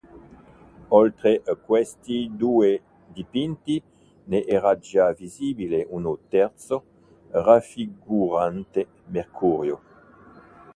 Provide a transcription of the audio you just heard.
Oltre a questi due dipinti ne era già visibile un terzo, raffigurante Mercurio.